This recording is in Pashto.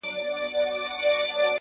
• نه دي دوبی نه دي ژمی در معلوم دی ,